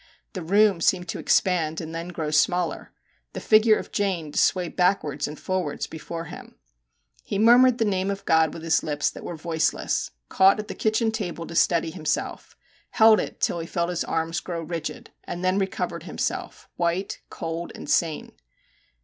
The room seemed to expand and then grow smaller, the figure of Jane to sway backwards and forwards before him. He murmured the name of God with lips that were voiceless, caught at the kitchen table to steady himself, held it till he felt his arms grow rigid, and then recovered himself white, cold, and sane.